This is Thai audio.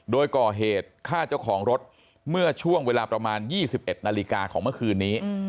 โดยก่อเหตุฆ่าเจ้าของรถเมื่อช่วงเวลาประมาณ๒๑นาฬิกาของเมื่อคืนนี้